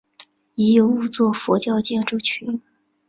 已有五殿的佛教建筑群。